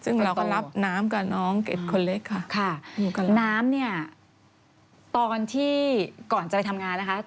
ซึ่งเราก็รับน้ำกับน้องเก็บคนเล็กค่ะค่ะอยู่กับน้ำเนี่ยตอนที่ก่อนจะไปทำงานนะคะ